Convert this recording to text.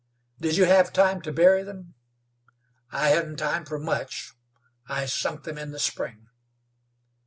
"Did you hev time to bury them?" "I hedn't time fer much. I sunk them in the spring."